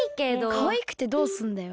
かわいくてどうすんだよ。